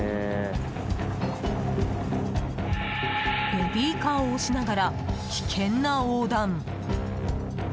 ベビーカーを押しながら危険な横断。